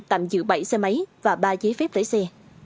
tạm giữ bảy xe máy và ba giấy phép lấy xe